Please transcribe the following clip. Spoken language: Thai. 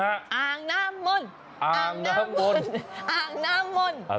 อ่างน้ำมนต์อ่างน้ำมนต์อ่างน้ำมนต์